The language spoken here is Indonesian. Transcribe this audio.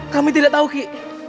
kami tidak tahu ki